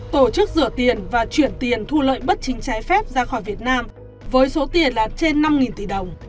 tổ chức rửa tiền và chuyển tiền thu lợi bất chính trái phép ra khỏi việt nam với số tiền là trên năm tỷ đồng